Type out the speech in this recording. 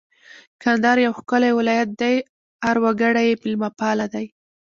کندهار یو ښکلی ولایت دی اړ وګړي یې مېلمه پاله دي